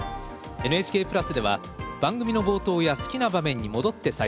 ＮＨＫプラスでは番組の冒頭や好きな場面に戻って再生できます。